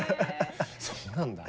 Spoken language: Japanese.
そうなんだ。